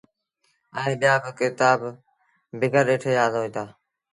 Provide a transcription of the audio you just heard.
ائيٚݩ ٻيآ با ڪتآب بيٚگر ڏٺي يآد هوئيٚتآ۔